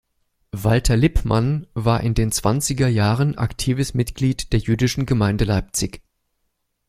Walter Lippmann war in den zwanziger Jahren aktives Mitglied der Jüdischen Gemeinde Leipzig.